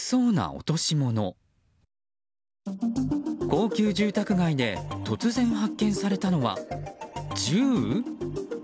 高級住宅街で突然発見されたのは銃？